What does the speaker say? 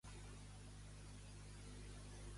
Homecoming, la millor pel·lícula de Spiderman.